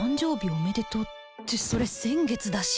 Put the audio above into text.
おめでとうってそれ先月だし